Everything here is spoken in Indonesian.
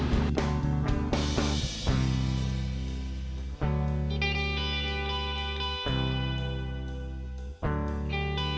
aku mau lempar jejak